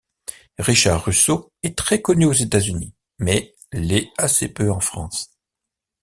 Richard Russo est très connu aux Etats-Unis mais l'est assez peu en France.